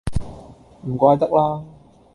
唔怪得啦